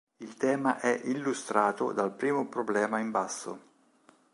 Il tema è illustrato dal primo problema in basso.